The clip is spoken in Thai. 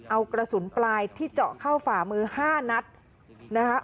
เอากระสุนปลายที่เจาะเข้าฝ่ามือ๕นัดนะคะ